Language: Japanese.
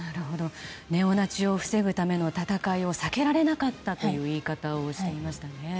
ネオナチを防ぐための戦いを避けられなかったという言い方をしていましたね。